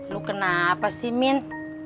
lu kenapa sih min